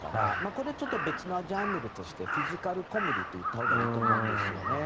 これちょっと別のジャンルとしてフィジカルコメディーと言ったほうがいいと思うんですよね。